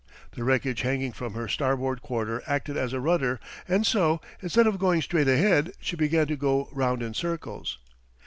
The wreckage hanging from her starboard quarter acted as a rudder, and so, instead of going straight ahead, she began to go round in circles.